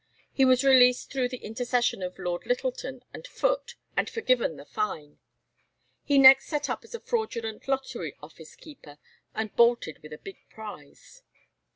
He was released through the intercession of Lord Littleton and Foote, and forgiven the fine. He next set up as a fraudulent lottery office keeper, and bolted with a big prize.